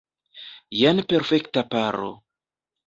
Jen perfekta paro!